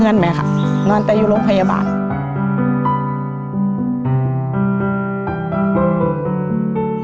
ลองกันถามอีกหลายเด้อ